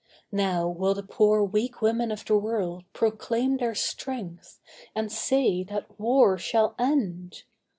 Now will the poor weak women of the world Proclaim their strength, and say that war shall end.